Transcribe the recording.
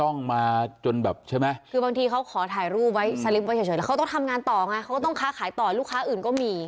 โอนแล้วนะครับดูใช่